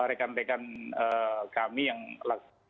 mereka melakukan kekerasan terhadap rekan rekan kami